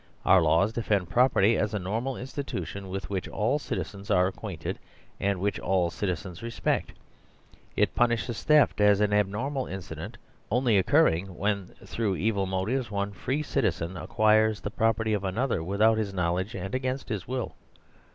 Our laws defend pro perty as a normal institution with which all citizens are acquainted, and which all citizens respect. It pun ishes theft as an abnormal incident only occurring when, through evil motives, one free citizen acquires the property of another without his knowledge and against his will.